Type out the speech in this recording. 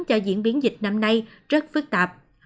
cho diễn biến dịch năm nay rất phức tạp